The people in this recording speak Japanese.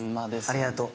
ありがとう。